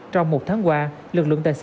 trong một tháng qua lực lượng tài năng của bác sĩ